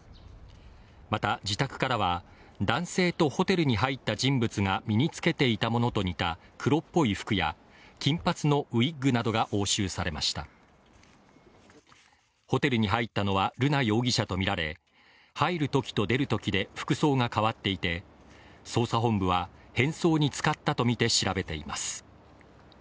また自宅からは男性とホテルに入った人物が身に着けていたものと似た黒っぽい服や金髪のウィッグなどが押収されましたホテルに入ったのは瑠奈容疑者とみられ入るときと出るときで服装が変わっていて捜査本部は変装に使ったとみて調べています